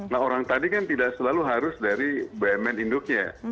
nah orang tadi kan tidak selalu harus dari bmn induknya